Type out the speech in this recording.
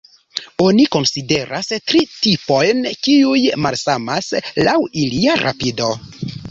Oni konsideras tri tipojn, kiuj malsamas laŭ ilia rapido.